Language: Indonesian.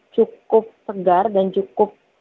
cukup segar dan cukup